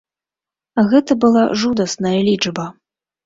Гэта была жудасная лічба.